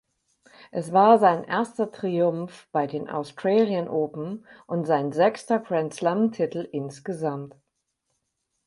Es war sein erster Triumph bei den Australian Open und sein sechster Grand-Slam-Titel insgesamt.